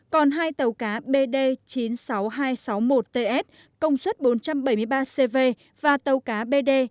còn hai tàu cá bd chín mươi sáu nghìn hai trăm sáu mươi một ts công suất bốn trăm bảy mươi ba cv và tàu cá bd